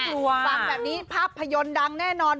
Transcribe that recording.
ฟังแบบนี้ภาพยนตร์ดังแน่นอน